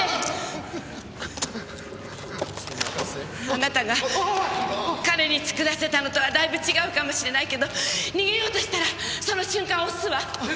あなたが彼に作らせたのとはだいぶ違うかもしれないけど逃げようとしたらその瞬間押すわ。